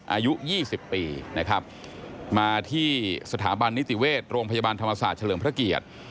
อายุ๒๐ปีนะครับมาที่สถาบันนิติเวชโรงพยาบาลธรรมศาสตร์เฉลิมพระเกียรติ